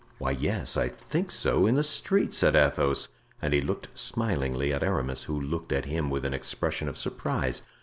"Why, yes, I think so—in the street," said Athos; and he looked smilingly at Aramis, who looked at him with an expression of surprise.